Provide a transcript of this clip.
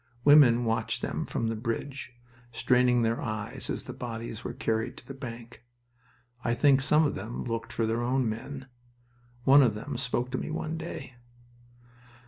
Women watched them from the bridge, straining their eyes as the bodies were carried to the bank. I think some of them looked for their own men. One of them spoke to me one day.